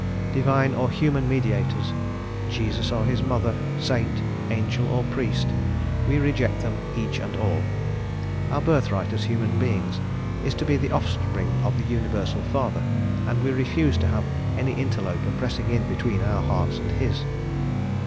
Divine or human mediators, Jesus or his mother, saint, angel, or priest, we reject them each and all; our birthright as human beings is to be the offspring of the Universal Father, and we refuse to have any interloper pressing in between our hearts and His.